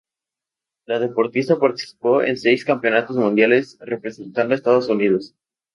La deportista participó en seis campeonatos mundiales representando a Estados Unidos.